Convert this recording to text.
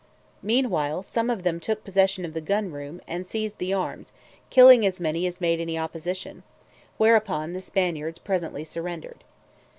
Meanwhile some of them took possession of the gun room, and seized the arms, killing as many as made any opposition; whereupon the Spaniards presently surrendered.